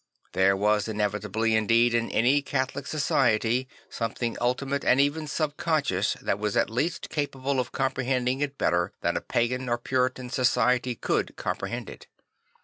There was inevitably indeed in any Catholic society some thing ultimate and even subconscious that was at least capable of comprehending it better than a pagan or puritan society could comprehend it.